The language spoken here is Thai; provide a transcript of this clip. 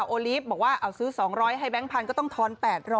โอลีฟบอกว่าเอาซื้อ๒๐๐ให้แบงค์พันธก็ต้องทอน๘๐๐